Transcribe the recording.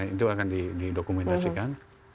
itu akan didokumentasikan